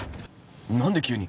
何で急に？